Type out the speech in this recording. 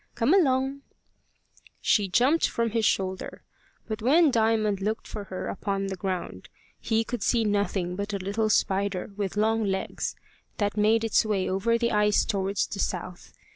Come along." She jumped from his shoulder, but when Diamond looked for her upon the ground, he could see nothing but a little spider with long legs that made its way over the ice towards the south.